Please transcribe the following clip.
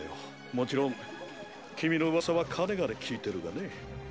もちろん君の噂はかねがね聞いてるがね